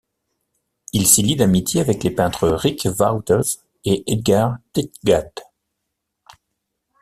Il s’y lie d’amitié avec les peintres Rik Wouters et Edgard Tytgat.